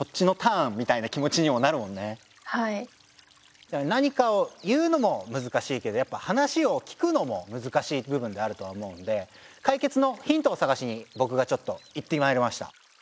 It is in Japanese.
じゃあなにかを言うのも難しいけどやっぱ話を聞くのも難しい部分であるとは思うんで解決のヒントをさがしに僕がちょっと行ってまいりました。